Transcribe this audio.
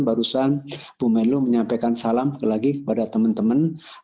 barusan bu menlu menyampaikan salam lagi kepada teman teman